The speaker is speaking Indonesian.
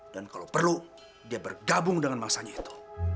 dan kalau perlu dia bergabung dengan mangsanya itu